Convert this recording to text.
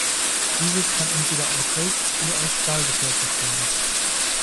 Dieses kann entweder aus Holz oder aus Stahl gefertigt werden.